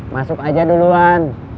masuk aja duluan